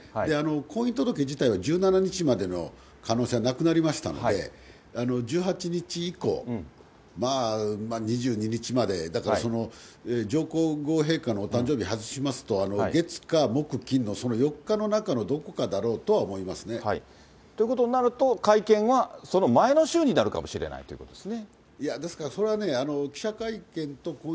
婚姻届自体は１７日までの可能性はなくなりましたので、１８日以降、２２日まで、だから、上皇后陛下のお誕生日外しますと、月、火、木、金のその４日の中のどこかだろうとは思いますね。ということになると、会見はその前の週になるかもしれないということですね。